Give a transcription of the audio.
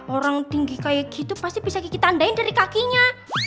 orang tinggi kayak gitu pasti bisa gigi tandain dari kakinya